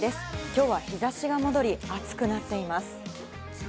今日は日差しが戻り暑くなっています。